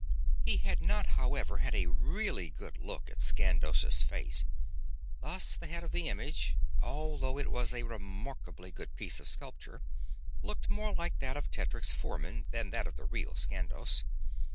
He had not, however, had a really good look at Skandos' face. Thus the head of the image, although it was a remarkably good piece of sculpture, looked more like that of Tedric's foreman than like that of the real Skandos.